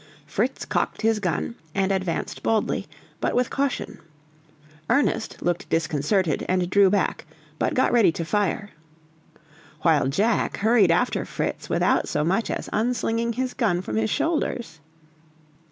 Fritz cocked his gun and advanced boldly, but with caution. Ernest looked disconcerted, and drew back, but got ready to fire. While Jack hurried after Fritz without so much as unslinging his gun from his shoulders.